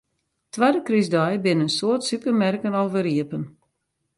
Twadde krystdei binne in soad supermerken alwer iepen.